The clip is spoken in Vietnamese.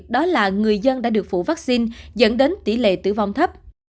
đó là người dân đã được phủ vaccine dẫn đến tỷ lệ tử vong thấp